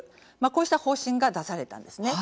こうした方針が出されたんですね。